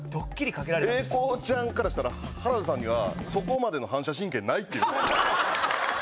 英孝ちゃんからしたら原田さんにはそこまでの反射神経ないって言うんです